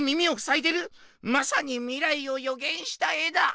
まさに未来を予言した絵だ！